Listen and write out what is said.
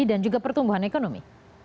dan juga pertumbuhan ekonomi